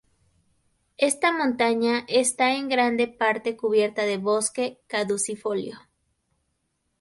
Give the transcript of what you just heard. Esta montaña esta en gran parte cubierta de bosque caducifolio.